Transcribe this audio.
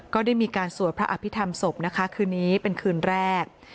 ก็ได้มีการสวดพระอภิษฐรรมศพนะคะคืนนี้เป็นคืนแรก